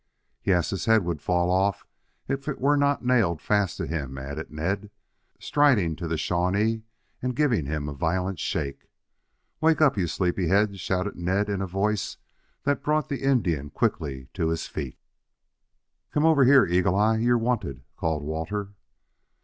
"Yes, his head would fall off if it were not nailed fast to him," added Ned, striding to the Shawnee and giving him a violent shake. "Wake up, you sleepy head!" shouted Ned in a voice that brought the Indian quickly to his feet. "Come over here, Eagle eye. You're wanted," called Walter.